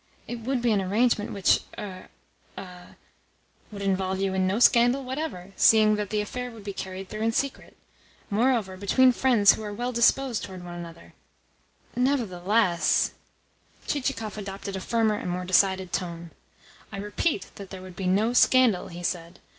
"It would be an arrangement which, er er " "Would involve you in no scandal whatever, seeing that the affair would be carried through in secret. Moreover, between friends who are well disposed towards one another " "Nevertheless " Chichikov adopted a firmer and more decided tone. "I repeat that there would be no scandal," he said.